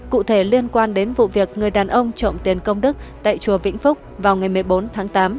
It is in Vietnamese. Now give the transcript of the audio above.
cụ thể liên quan đến vụ việc người đàn ông trộm tiền công đức tại chùa vĩnh phúc vào ngày một mươi bốn tháng tám